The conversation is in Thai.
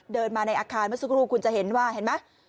เดินมาในอาคารเมื่อสักครู่คุณจะเห็นว่าเห็นไหม